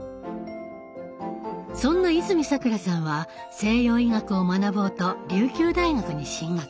そんな泉さくらさんは西洋医学を学ぼうと琉球大学に進学。